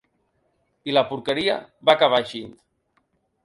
I la porqueria va acabar eixint.